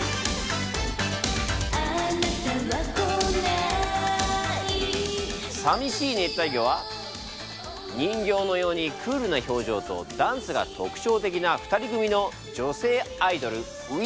「あなたは来ない」「淋しい熱帯魚」は人形のようにクールな表情とダンスが特徴的な２人組の女性アイドルＷｉｎｋの名曲です。